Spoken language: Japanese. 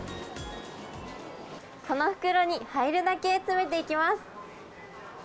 この袋に入るだけ詰めていきます。